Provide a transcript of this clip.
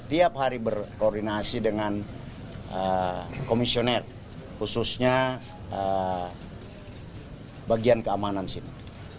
tiap hari berkoordinasi dengan komisioner khususnya bagian keamanan sini